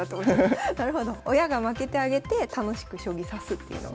親が負けてあげて楽しく将棋指すっていうのが。